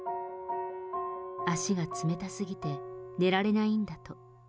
足が冷たすぎて、寝られないんだと。